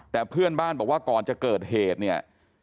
แต่เพื่อนบ้านบอกว่าก่อนจะเกิดเหตุเนี่ย